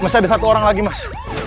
masih ada satu orang lagi mas